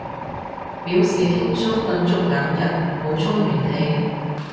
表示輕鬆瞓足兩日，補充元氣